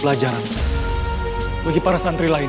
itu ada yang berkalahin